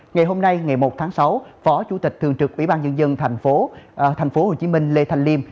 ngày hôm nay ngày một tháng sáu phó chủ tịch thường trực ủy ban nhân dân tp hcm lê thành liêm